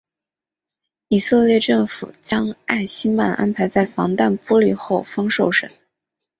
以色列政府将艾希曼安排在防弹玻璃后方受审。